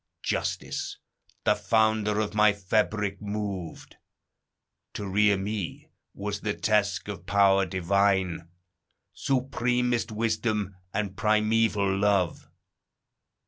Justice the founder of my fabric moved: To rear me was the task of power divine, Supremest wisdom, and primeval love.